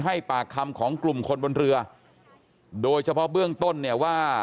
ให้ปากคำของกลุ่มคนบนเรือโดยเฉพาะเบื้องต้นเนี่ยว่า